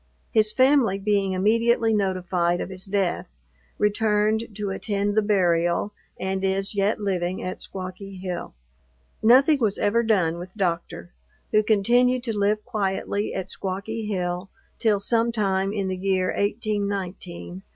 His family being immediately notified of his death, returned to attend the burial, and is yet living at Squawky Hill. Nothing was ever done with Doctor, who continued to live quietly at Squawky Hill till sometime in the year 1819, when he died of Consumption.